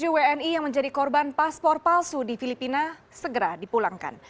satu ratus tujuh puluh tujuh wni yang menjadi korban paspor palsu di filipina segera dipulangkan